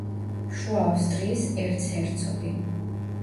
შუა ავსტრიის ერცჰერცოგი.